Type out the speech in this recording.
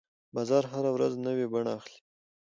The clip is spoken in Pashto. بازار هره ورځ نوې بڼه اخلي.